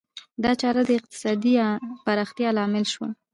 دا چاره د اقتصادي پراختیا لامل شوه.